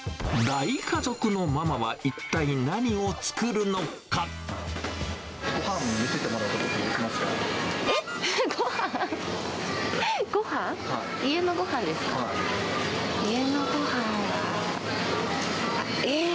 大家族のママは一体何を作る晩ごはん、えっ？